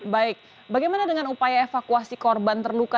baik bagaimana dengan upaya evakuasi korban terluka